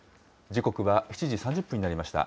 時刻は７時３０分になりました。